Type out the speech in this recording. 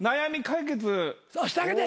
してあげて。